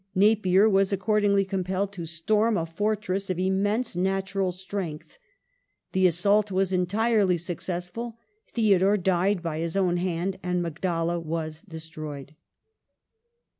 Napier was accordingly compelled to storm a fortress of immense natural strength. The assault was entirely successful, Theodore died by his own hand, and Magdala was destroyed.